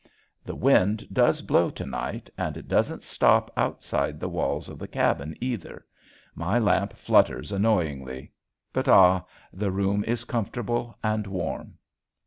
The wind does blow to night, and it doesn't stop outside the walls of the cabin either. My lamp flutters annoyingly. But ah! the room is comfortable and warm.